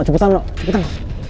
cepetan loh cepetan